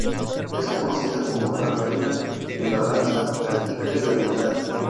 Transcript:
Es conocida como como la "Reina de la Danza Tayika y Oriental.